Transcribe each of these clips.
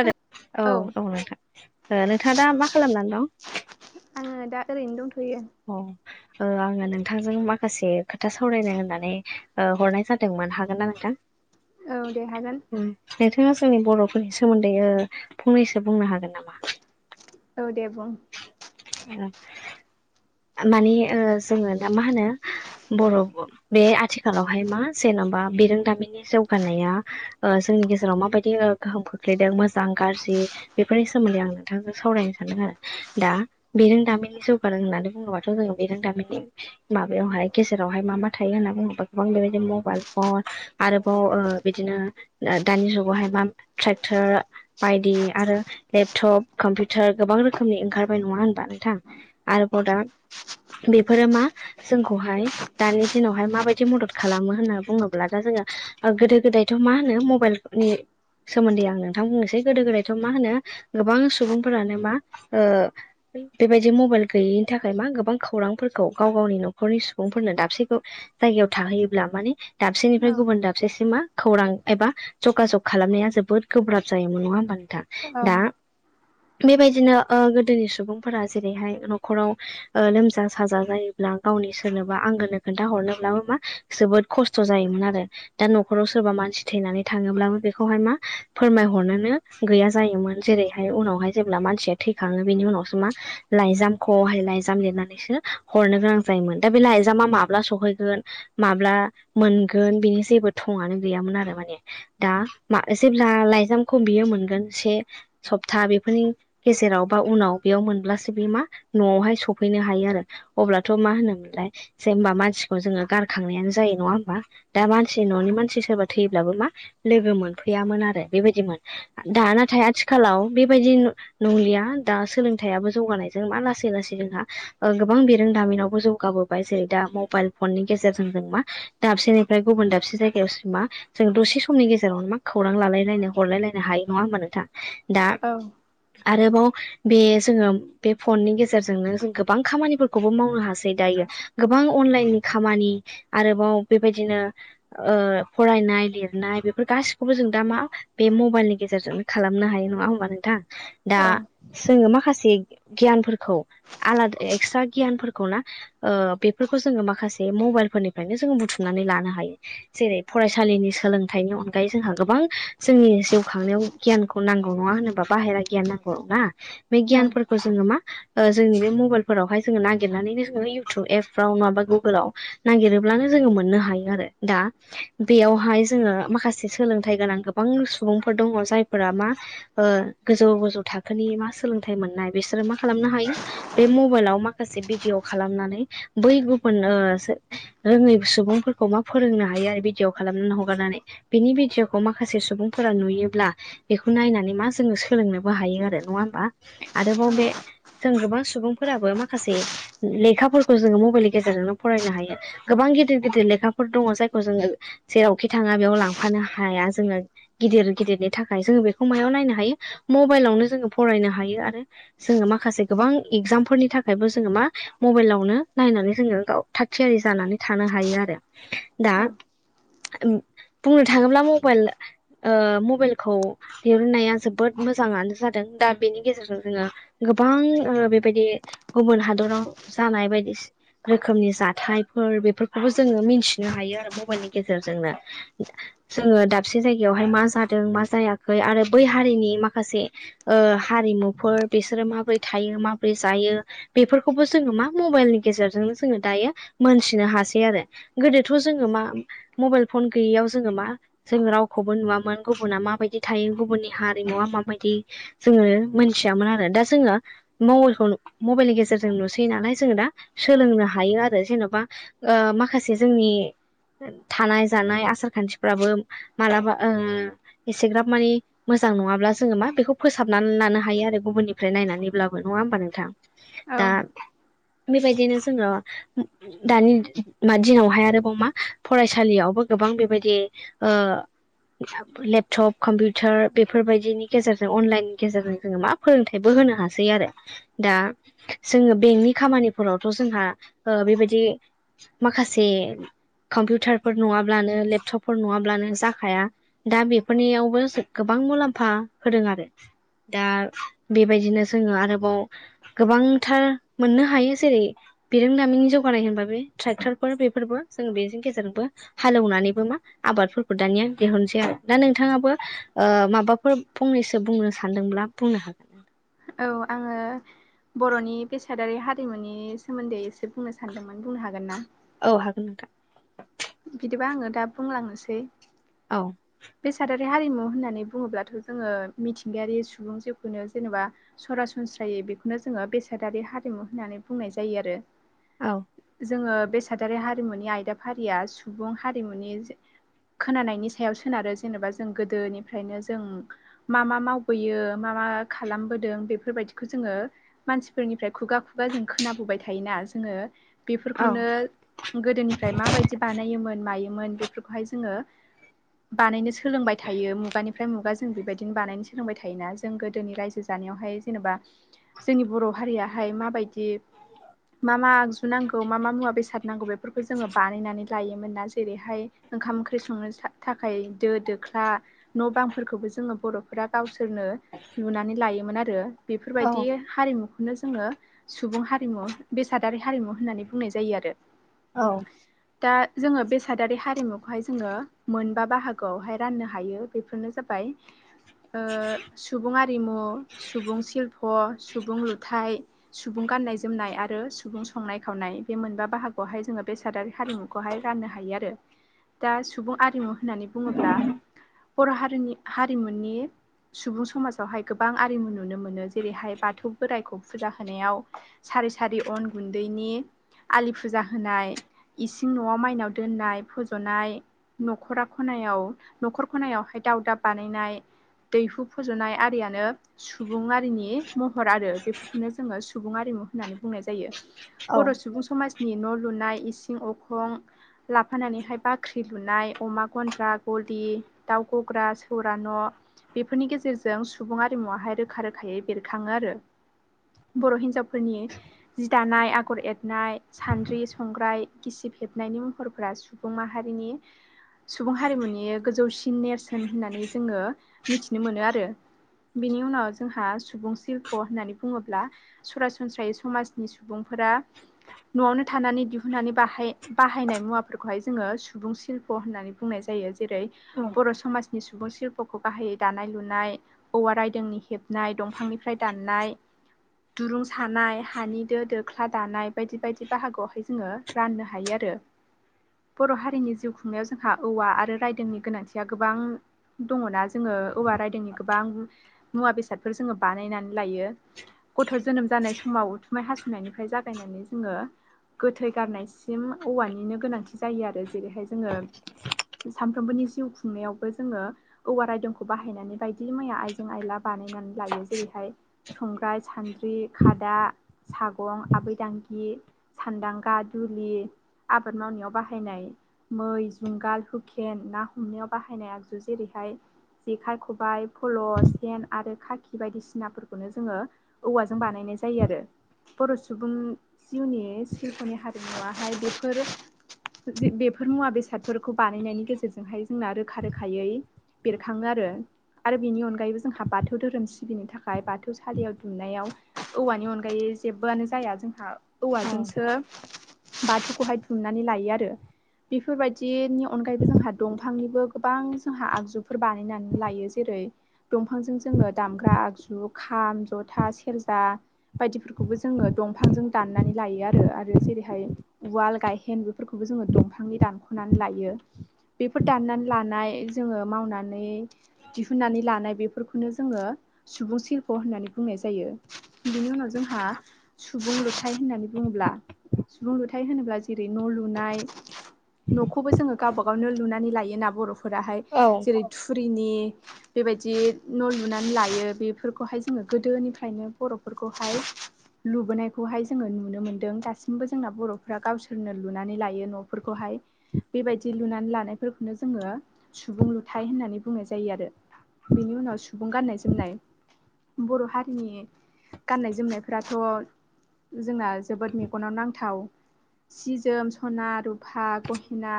खोना औ औ नोंथां नोंथाङा दा मा खालामनानै दं आङो दा ओरैनो दंथयो औ ओ आङो नोंथांजों माखासे खोथा सावरायनो होननानै ओ हरनाय जादोंमोन हागोन ना नोंथां औ दे हागोन। उम नोंथाङा जोंनि बर'फोरनि सोमोन्दै फंनैसो ओ बुंनो हागोन नामा औ दे बुं औ [unintelligible] माने ओ जोङो दा मा होनो बर' बे आथिखालावहाय मा बिरोंदामिननि जौगानाया ओ जोंनि गेजेराव माबायदि गोहोम खोख्लैदों मोजां गाज्रि बेफोरनि सोमोन्दै आं नोंथांजों सावरायनो सानदों आरो दा बेरों दामिननि जौगादों होननानै बुङोबाथ' जोङो बेजों गामिनि माबायावहाय गेजेरावहाय मा मा थायो होनना बुङोबा गोबां बे बायदि मबाइल आरोबाव ओ बिदिनो दानि जुगावहाय मा ट्रेक्टर बायदि आरो लेपटप कम्पिउटार गोबां रोखोमनि ओंखारबाय नङा होनबा नोंथां आरोबाव दा [inaudible] बेफोरो मा जोंखौहाय दानि दिनावहाय माबायदि मदद खालामो होनना बुङोब्ला दा जोङो ओ गोदो गोदायथ' मा होनो मबायेलनि सोमोन्दै आं नोंथां बुंनोसै गोदो गोदायथ' मा होनो गोबां सुबुंफोरानो मा ओ बेबायदि मबायेल गैयिनि थाखाय थाखाय मा गोबां खौरांफोरखौ गाव गावनि न'खरनि सुबुंफोरनो दाबसेखौ जायगायाव थाहैयोब्ला माने दाबसेनिफ्राय औ गुबुन दाबसेसिमा खौरां एबा जगाजग खालामनाया जोबोद गोब्राब जायोमोन नङा होमबा नोंथां। औ दा बेबायदिनो ओ गोदोनि सुबुंफोरा जेरैहाय न'खराव ओ लोमजा साजा जायोब्ला गावनि सोरनोबा आंगोनो खोन्था हरनोब्लाबो मा जोबोद खस्थ स्थ जायोमोन आरो दा न'खराव सोरबा मानसि थैनानै थाङोब्लाबो बेखौहाय मा फोरमायहरनोनो गैया जायोमोन जेरैहाय उनावहाय जेब्ला मानसिया थैखाङो बेनि उनावसो मा लाइजामखौहाय लायजाम लिरनानैसो हरनो गोनां जायोमोन दा बे लायजामा माब्ला सफैगोन माब्ला मोन मोनगोन बेनि जेबो थंङानो गैयामोन‌ आरो माने दा मा जेब्ला लायजामखौ बेयो मोनगोन दानसे सपटा बेफोरनि गेजेराव बा उनाव बेयाव मोनब्लासो बे मा न'आवहाय सफैनो हायो आरो अब्लाथ' मा होनोमोनलाय जे होमबा मानसिखौ जोङो गारखांनायानो जायो नङा होमबा? दा मानसि न'नि मानसि सोरबा थैब्लाबो मा लोगो मोनफैयामोन आरो बेबायदिमोन। दा नाथाय आथिखालाव बेबायदि नंलिया दा सोलोंथायाबो जौगानायजों मा लासै-लासै जोंहा ओ गोबां बेरोंदामिनावबो जौगाबोबाय जेरै दा मबायेल फननि गेजेरजों जों मा दा दाबसेनिफ्राय गुबुन दाबसे जायगायावसो मा जों दसे समनि गेजेरावनो मा खौरां लालायायनो हरलायलायनो हायो। नङा होनबा नोंथां दा औ आरोबाव बे जोङो बे फननि गेजेर गेजेरजोंनो गोबां खामानिफोरखौबो मावनो हासै दायो गोबां अनलाइननि खामानि आरोबाव ओ बेबायदिनो ओ फरायनाय लिरनाय बेफोर गासिखौबो जों दा मा बे मबायेल गेजेरजोंनो खालामनो हायो नङा होमबा नोंथां दा औ जोङो माखासे गियानफोरखौ आलादा एक्सट्रा गियानफोरखौ ना ओ बेफोरखौ जोङो माखासे मबायेल फोरनिफ्रायनो जोङो बु बुथुमनानै लानो हायो जेरै फरायसालिनि सोलोंथाइनि अनगायै जोंहा गोबां जोंनि जिउखां गियानखौ नांगौ नङा होनोबा बाहेरा गियान नांगौ ना बे गियानफोरखौ जोङो मा ओ जोंनि बे मबायेलफोरावहाय जोङो नागिरनानै जोङो इउथटुब एपफ्राव नङाबा गुगोलाव नागिरोब्लानो जों मोननो हायो आरो दा बेयावहाय जोङो माखासे सोलोंथाइ गोनां गोबां सुबुंफोर दङ जायफोरा मा ओ गोजौ-गोजौ थाखोनि मा सोलोंथाइ मोननाय बिसोरो मा खालामनो हायो बे मबाइलाव माखासे भिडिअ खालामनानै बै गुबुन ओ रोङै सुबुंफोरखौ मा फोरोंनो हायो आरो भिडिअ खालामनानै हगारनानै बेनि भिडिअखौ माखासे सुबुंफोरा नुयो ब्ला बेखौ नायनानै मा जोङो सोलोंनोबो हायो आरो नङा होमबा आरोबाव बे जों गोबां सुबुंफोराबो माखासे लेखाफोरखौ जोङो मबायेलनि गेजेरजोंनो फरायनो हायो गोबां गिदिर-गिदिर लेखाफोर दङ जायखौ जोङो जेरावखि थाङा बेयाव लांफानो हाया जोङो गिदिर गिदिरनि थाखाय जोङो बेखौ मायाव नायनो हायो मबायेलावनो जोङो फरायनो हायो आरो जोङो माखासे गोबां एगजामफोरनि थाखायबो जोङो मा मबाइलावनो नायनानै जोङो गाव थाग थियारि जानानै थानो हायो आरो। दा औ [unintelligible] बुंनो थाङोब्ला मबाइल‌ ओ मबाइलखौ दिहुननाया जोबोद मोजाङानो जादों। दा बेनि गेजेरजों जोङो गोबां ओ बेबायदि गुबुन हादराव जानाय बायदि रोखोमनि जाथायफोर बेफोरखौबो जोङो मिथिनो हायो आरो मबाइलनि गेजेरजोंनो। जोङो दाबसे जायगायावहाय मा जादों मा जायाखै आरो बै हारिनि माखासे ओ हारिमुफोर बिसोरो माबोरै थायो माब्रै जायो बेफोरखौबो जोङो मा मबाइलनि गेजेरजोंनो जोङो दायो मोनथिनो हासै आरो गोदोथ' जोङो मा मबाइल फन गैयैयाव जोङो मा जों रावखौबो नुआमोन गुबुना माबायदि थायो गुबुननि हारिमुवा माबायदि जोङो मोनथियामोन आरो दा जोङो मबाइलखौ मबाइलनि गेजेरजों नुसैयो नालाय जोङो दा सोलोंनो हायो आरो जेनबा ओ माखासे जोंनि थानाय जानाय आसार खान्थिफ्राबो मालाबा ओ एसेग्राब मानि मो मोजां नङाब्ला जोङो मा बेखौ फोसाबनानै लानो हायो आरो गुबुननिफ्राय नायनानै अब्लाबो नङा होमबा नोंथां औ दा बेबायदिनो जोङो दानि मा दिनावहाय आरोबाव मा फरायसालियावबो गोबां बेबायदि ओ लेपटप कम्पिउटार बेफोरबायदिनि गेजेरजों अनलाइननि गेजेरजों जोङो मा फोरोंथायाइबो होनो हाग सै आरो दा जोङो बेंकनि खामानिफोरावथ' जोंहा ओ बेबायदि माखासे कम्पिउटारफोर नङाब्लानो लेपटपफोर नङाब्लानो जाखाया दा बेफोरनियावबो गोबां गोबां मुलाम्फा होदों आरो दा बेबायदिनो जोङो आरोबाव गोबांथार मोननो हायो जेरै बिरोंदामिननि जौगानाय होनबा बे ट्रेक्टरफोर बेफोरबो जों बेजों गेजेरजोंबो हालेवनानैबो मा आबादफोरखौ दानिया दिहुनसै आरो। दा नोंथाङाबो ओ माबाफोर फंनैसो बुंनो सान्दोंब्ला बुंनो हागोन आरो। औ आङो बर'नि बेसादारि हारिमुनि सोमोन्दै एसे बुंनो सानदोंमोन बुंनो हागोन ना? औ [inaudible] बिदिबा आङो दा बुंलांनोसै। औ। बेसादारि हारिमु होननानै बुङोब्लाथ' जोङो मिथिंगायारि सुबुं जिउखौनो जेनेबा सरासनस्रायै बेखौनो जोङो बेसादारि हारिमु होननानै बुंनाय जायो आरो औ जोङो। बे सादारि हारिमुनि आयदाफारिया सुबुं हारिमुनि खोनानायनि सायाव सोनारो जेनेबा जों गोदोनिफ्रायनो जों मा मा मावबोयो मा मा खालामबोदों बेफोरबायदिखौ जोङो मानसिफोरनिफ्राय खुगा खुगा जों खोनाबोबाय थायोना जोङो औ बेफोरखौनो गोदोनिफ्राय माबायदि बानायोमोन मायो मोन बेफोरखौहाय जोङो बानायनो सोलोंबाय थायो मुगानिफ्राय मुगा जों बेबायदिनो बानायनो सोलोंबाय थायोना जों गोदोनि रायजो जानायावहा जेनेबा जोंनि बर' हारियहाय माबायदि मा मा आगजु नांगौ मा मा मुवा बेसाद नांगौ बेफोरखौ जोङो बानायनानै लायोमोन ना जेरैहाय ओंखाम ओंख्रि संनो सा थाखाय दो दोख्ला न' बांफोरखौबो जोङो बर'फोरा गावसोरनो लुनानै लायो। आरो औ बेफोरबायदि हारिमु। बेनो जोङो सुबुं हारिमु बेसादारि हारिमु होननानै बुंनाय जायो आरो औ दा जोङो बेसादारि हारिमुखौहाय जोङो मोनबा बाहागोआवहाय राननो हायो बेफोरनो जाबाय सुबुं आरिमु सुबुं सिल्प' सुबुं लुथाय सुबुं गान्नाय जोमनाय आरो सुबुं संनाय खावनाय बे मोनबा बाहागोआवहाय जोङो बेसादारि हारिमुखौ राननो हायो आरो दा सुबुं आरिमु होननानै बुङोब्ला। बर' हारिनि हारिमुनि सुबुं समाजावहाय गोबां आरिमु नुनो मोनो जेरैहाय बाथौ बोराइखौ फुजा होनायाव सारि सारि अन गुन्दैनि आलि फुजा होनाय इसिं न'आव माइनाव दोननाय फज'नाय न'खरा खनायाव न'खर खनायावहाय दावदाब बानायनाय दैहु फज'नाय आरियानो सुबुं आरिनि महर आरो बेफोरखौनो जोङो सुबुं आरिमु होननानै बुंनाय जायो। बर' सुबुं समाजनि न' लुनाय इसिं अखं लाफानानैहाय बाख्रि न्दुनाय अमा गन्द्रा गलि दाउ गग्रा सौर न'। बेफोरनि गेजेरजों सुबुं आरिमुवाहाय रोखा रोखायै बेरखाङो आरो। बर' हिनजावफोरनि जि दानाय आगर एरनाय सान्द्रि संग्राय गिसि हेबनायनि महरफोरा सुबुं माहारिनि [inaudible] सुबुं हारिमुनि गोजौसिन नेरसोन होननानै जोङो मिथिनो मोनो आरो। बिनि उनाव जोंहा सुबुं शल्प होननानै बुङोब्ला सरासनस्रायै समाजनि सुबुंफोर फोरा नआवनो थानानै दिहुननानै बाहाय बाहायनाय मुवाफोरखौहाय जोङो सुबुं शिल्प होन्नानै बुंनाय जायो जेरै बर समाजनि सुबुंशिल्पखौ गाहायै दानाय लुनाय औवा रायदोंनि हेबनाय दंफांनिफ्राय दाननाय दुरुं सानाय हानि दो दोख्ला दानाय बायदि बायदि बाहागोआवहाय जोङो राननो हायो आरो। रो बर हारिनि जिउ खु नायाव जोंहा औवा आरो रायदोंनि गोनांथिया गोबां दङना जोङो औवा रायदोंनि गोबां मुवा बेसादफोर जोङो बानायनानै लायो गथ जोनोम जानाय सम माव उथुमाय हासुनायनिफ्राय जागायनानै जोङो। गोथै गारनायसिम औवानिनो गोनांथि जायो आरो जेरैहाय जोङो। सानफ्रोमबोनि जिउ खुंनायावबो जोङो औवा रायदोंखौ बाहायनानै बायदि मैया आइजें आइला बा बानायनानै लायो। जेरैहाय संग्राय, सानद्रि, खादा, सागं, आबै दांगि गि सान्दांगा दुलि आबाद मावनायाव बाहायनाय। मै, जुंगाल, हुखेन, ना हमनायाव बाहायनाय आगजु जेरैहाय जेखाय, खबाइ, फल', सेन आरो खाखि बायदिसिनाफोरखौनो जोङो औवाजों बानायनाय नाय जायो आरो। बर' सुबुं जिउनि सिलपनि हारिमुवाहाय बेफोर ओ बे-बेफोर मुवा बेसादफोरखौ बानायनायनि गेजेरजोंहाय जोंना रोखा रोखायै बेरखाङो आरो। आरो बिनि अनगायैबो जोंहा बाथौ धोरोम सिबिनो थाखाय बाथौ सालियाव दुमनायाव औवानि अनगायै जेबोआनो जाया जोंहा। औ औवाजोंसो बाथौखौहाय दुमनानै लायो आरो। बेफोरबायदिनि अनगायैबो जोंहा दंफांनिबो गोबां जोंहा आगजुफोर बानायनानै लायो। जेरै दंफांजों जोङो दामग्रा आगजु खाम, जथा, सेरजा बायदिफोरखौबो जोङो दंफांजों दाननानै लायो आरो। आरो जेरैहाय उवाल, गायहेन बेफोरखौबो जोङो दंफांनि दानख'नानै लायो। बेफोर दाननानै लानाय जोङो मावनानै दिहुननानै लानाय बेफोरखौनो जोङो सुबुं शिल्प होननानै बुंनाय जायो। बेनि उनाव जोंहा सु सुबुं लुथाय होननानै बुङोब्ला? सुबुं लुथाय होनोब्ला जेरै न लुनाय न'खौबो जोङो गावबा गावनो लुनानै लायोना बरफोराहाय। औ जेरै थुरिनि बेबादि न लुनानै लायो। बेफोरखौहाय जोङो गोदोनिफ्रायनो बर'फोरखौ हाय लुबोनायखौहाय जोङो नुनो मोन्दों। दासिमबो जोंना बरफ्रा गावसोरनो लुनानै लायो नफोर खौहाय बेबायदि लुनानै लानायफोरखौनो जोङो सुबुं लुथाय होननानै बुंनाय जायो आरो। बेनि उनाव सुबुं गाननाय जोमनाय बर' हारिनि गाननाय, जोमनायफोराथ' जोंना जोबोद मेगनाव नांथाव सि जोम सना रु फा गहेना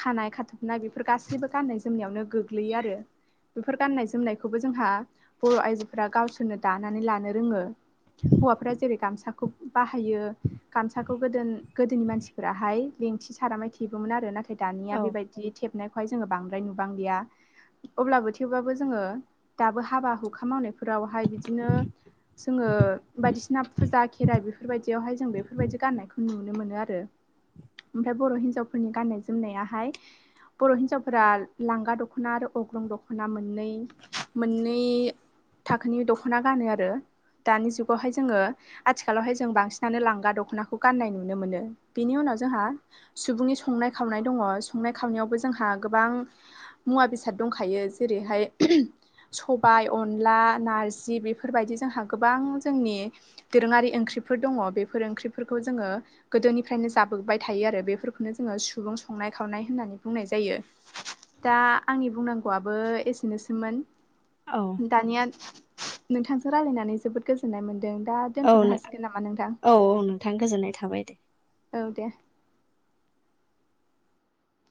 खानाय खाथबनाय बेफोर गासैबो गाननाय जोमनायावनो गोग्लैयो आरो। बेफोर गान्नाय जोमनायखौबो जोंहा बर' आइजोफोरा गावसोरनो दानानै लानो रोङो। हौवाफोरा जेरै गामसाखौ बाहायो। गामसाखौ गोदो गोदोनि मानसिफोराहाय लेंथि सारामाय थेबोमोन आरो। नाथाय औ दानिया बेबायदि थेबनायखौहाय जोङो बांद्राय नुबांलिया। अब्लाबो थेवबाबो जोङो दाबो हाबा हुखा मावनायफोरावहाय बिदिनो जोङो। ओ बायदिसिना फुजा खेराइ बेफोरबायदियावहाय जों बेफोरबायदि गान्नायखौ नुनो मोनो आरो। [inaudible] फाय बर' हिन्जावफोरनि गाननाय जोमनायाहाय बर' हिनजावफोरा लांगा दखना आरो अग्रं दखना मोननै मोननै थाखोनि दखना गानो आरो दानि जुगावहाय जोङो आथिखालावहाय जों बांसिनानो लांगा दखनाखौ गान्नाय नुनो मोनो। बेनि उनाव जोंहा सुबुंनि संनाय खावनाय दङ। संनाय खावनायावबो जोंहा गोबां मुवा बेसाद दंखायो जेरैहाय सबाय अनला नारजि बेफोरबायदि जोंहा गोबां जोंनि दोरोङारि ओंख्रि फोर दङ। बेफोर ओंख्रिफोरखौ जोङो गोदोनिफ्रायनो जाबोबाय थायो आरो। बेफोरखौनो जोङो सुबुं संनाय खावनाय होननानै बुंनाय जायो। दा आंनि बुंनांगौआबो ओ एसेनोसैमोन। औ दानिया नोंथांजों रायलायनानै जोबोद गोजोननाय मोनदों। दा औ दोनथ'नो हासिगोन नामा नोंथां? औ नोंथां गोजोननाय थाबाय दे। औ दे।